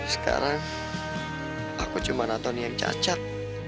sekarang aku cuma nonton yang cacat